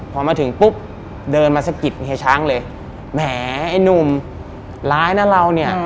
พอมาถึงปุ๊บเดินมาสะกิดเฮียช้างเลยแหมไอ้หนุ่มร้ายนะเราเนี่ย